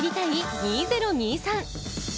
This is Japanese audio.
２０２３。